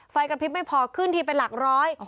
ไฟกระพริบไม่พอขึ้นทีเป็นหลักร้อย